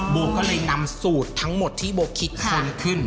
โบก็เลยนำสูตรทั้งหมดที่โบคิดค้นขึ้น